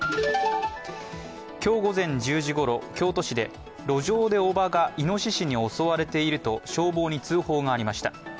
今日午前１０時ごろ、京都市で路上でおばがいのししに襲われていると消防に通報がありました。